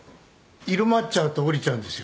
入間っちゃうとおりちゃうんですよ。